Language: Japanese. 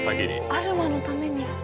アルマのために。